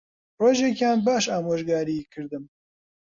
ڕۆژێکیان باش ئامۆژگاریی کردم